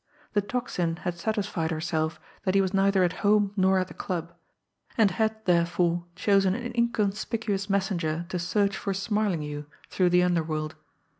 The Tocsin had satisfied herself that he was neither at home nor at the club, and had, therefore, chosen an inconspicuous messenger to search for "Smarlinghue" through the underworld.